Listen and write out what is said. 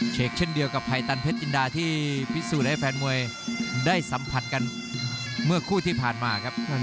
เช่นเดียวกับภัยตันเพชรอินดาที่พิสูจน์ให้แฟนมวยได้สัมผัสกันเมื่อคู่ที่ผ่านมาครับ